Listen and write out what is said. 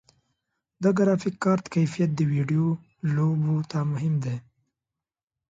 د ګرافیک کارت کیفیت د ویډیو لوبو ته مهم دی.